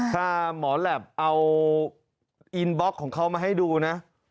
ถ้าหมอแหลปเอาอินบล็อกของเขามาให้ดูนะ